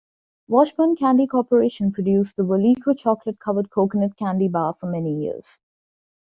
Washburn Candy Corporation produced the Waleeco chocolate-covered coconut candy bar for many years.